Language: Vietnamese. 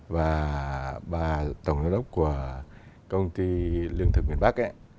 và bà tổng đại sứ của công ty lương thực miền bắc ấy